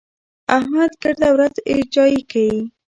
احمد ګرده ورځ اجايي کېږي.